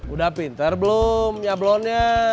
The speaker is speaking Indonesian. udah pinter belum sablonnya